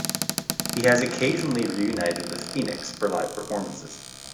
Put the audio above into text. He has occasionally reunited with Phoenix for live performances.